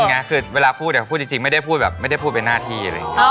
แต่คือพูดจริงนะไม่ได้พูดเป็นหน้าที่